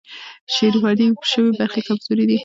شپږ یادې شوې برخې کمزوري دي.